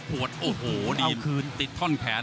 หมดโลก